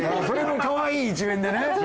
それもかわいい一面でね。